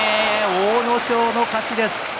阿武咲の勝ちです。